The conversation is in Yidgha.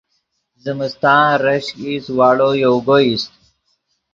زمستان ریشک ایست واڑو یوگو ایست